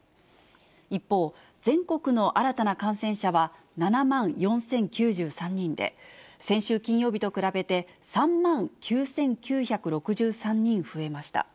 一方、全国の新たな感染者は７万４０９３人で、先週金曜日と比べて、３万９９６３人増えました。